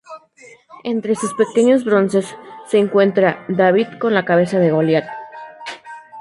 Entre sus pequeños bronces se encuentra "David con la cabeza de Goliat".